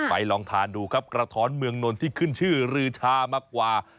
ลองทานดูครับกระท้อนเมืองนนท์ที่ขึ้นชื่อรือชามากกว่า